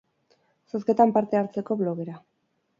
Zozketan parte hartzeko blogera.